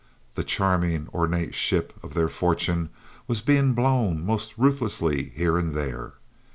The charming, ornate ship of their fortune was being blown most ruthlessly here and there.